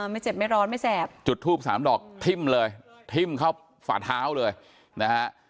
ไม่เจ็บไม่ร้อนไม่แสบจุดทูบสามดอกทิ้มเลยทิ้มเข้าฝ่าเท้าเลยนะฮะ